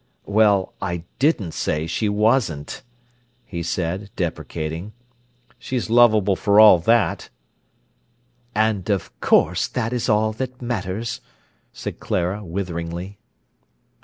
"Well, I didn't say she wasn't," he said, deprecating. "She's lovable for all that." "And, of course, that is all that matters," said Clara witheringly.